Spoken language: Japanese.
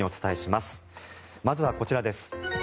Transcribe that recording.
まずはこちらです。